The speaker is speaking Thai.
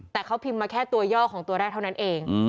แต่เขาพิมพ์มาแค่ตัวย่อของตัวแรกเท่านั้นเอง